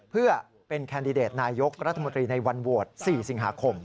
เพื่อเป็นแคนดิเดตนายกรัฐมนตรีในวันโหวต๔สิงหาคม